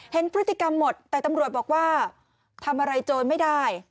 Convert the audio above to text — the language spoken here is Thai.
เห็นพฤติกรรมหมดแต่ตำรวจบอกว่าทำอะไรโจรไม่ได้